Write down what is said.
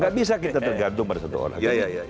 tidak bisa kita tergantung pada satu orang